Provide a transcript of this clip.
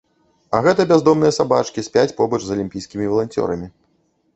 А гэта бяздомныя сабачкі спяць побач з алімпійскімі валанцёрамі.